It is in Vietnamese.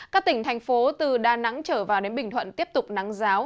các tỉnh thành phố từ đà nẵng trở vào đến bình thuận tiếp tục nắng giáo